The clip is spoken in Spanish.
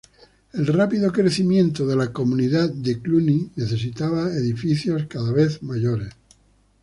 El rápido crecimiento de la comunidad de Cluny necesitaba edificios cada vez mayores.